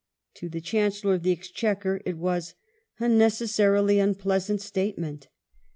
To the Chancellor of the Exchequer it was " a necessarily unpleasant state ment".